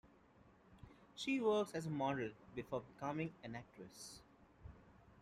She worked as a model before becoming an actress.